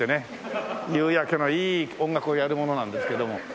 夕焼けのいい音楽をやる者なんですけども。